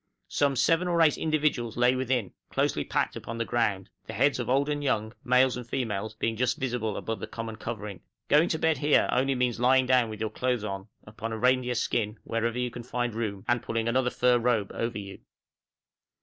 Some seven or eight individuals lay within, closely packed upon the ground; the heads of old and young, males and females, being just visible above the common covering. Going to bed here, only means lying down with your clothes on, upon a reindeer skin, wherever you can find room, and pulling another fur robe over you.